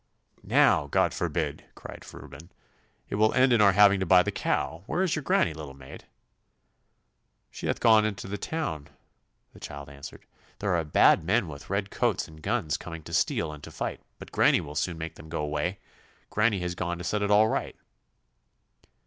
'Now, God forbid!' cried Reuben. 'It will end in our having to buy the cow. Where is your granny, little maid?' 'She hath gone into the town,' the child answered. 'There are bad men with red coats and guns coming to steal and to fight, but granny will soon make them go 'way. Granny has gone to set it all right.